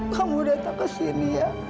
kamu datang ke sini ya